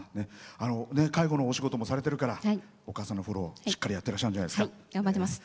介護のお仕事もされているからお母さんのフォローしっかりやってらっしゃるんじゃ頑張ってます。